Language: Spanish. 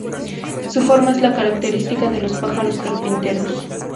Su forma es la característica de los pájaros carpinteros.